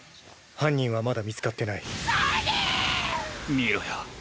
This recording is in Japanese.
見ろよ。